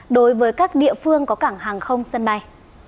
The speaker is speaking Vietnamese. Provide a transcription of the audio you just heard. đối với các địa phương có cảng hàng không sân bay